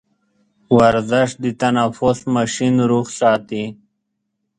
ورزش د تنفس ماشين روغ ساتي.